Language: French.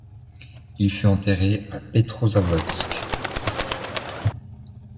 Il fut enterré à Petrozavodsk.